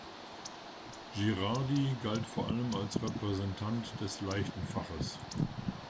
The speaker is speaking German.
Girardi galt vor allem als Repräsentant des leichten Faches.